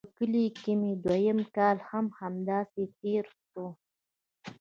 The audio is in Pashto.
په کلي کښې مې دويم کال هم همداسې تېر سو.